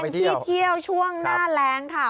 เป็นที่เที่ยวช่วงหน้าแรงค่ะ